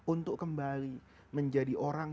untuk kembali menjadi orang